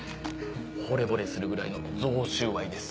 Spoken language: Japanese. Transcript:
ほれぼれするぐらいの贈収賄です。